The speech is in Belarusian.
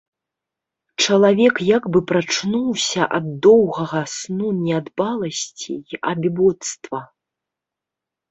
Чалавек як бы прачнуўся ад доўгага сну нядбаласці і абібоцтва.